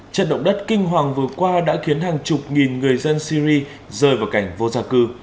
trận động đất kinh hoàng vừa qua đã khiến hàng chục nghìn người dân syri rơi vào cảnh vô gia cư